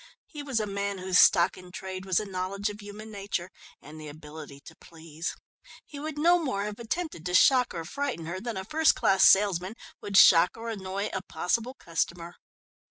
He was a man whose stock in trade was a knowledge of human nature, and the ability to please. He would no more have attempted to shock or frighten her, than a first class salesman would shock or annoy a possible customer.